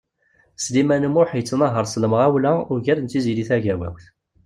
Sliman U Muḥ yettnahaṛ s lemɣawla ugar n Tiziri Tagawawt.